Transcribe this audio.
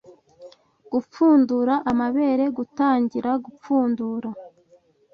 Gupfundura amabere: gutangira gupfundura